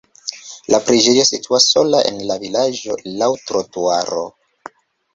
La preĝejo situas sola en la vilaĝo laŭ trotuaro.